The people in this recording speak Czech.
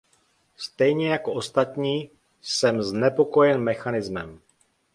Stejně jako ostatní jsem znepokojen mechanismem.